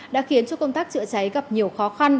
đã khiến cho công tác chữa cháy gặp nhiều khó khăn